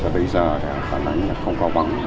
bây giờ khả năng không có băng